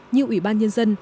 nhiều ủy ban nhân dân